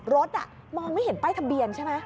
รถมองไม่เห็นป้ายทะเบียนใช่ไหม